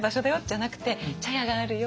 じゃなくて「茶屋があるよ。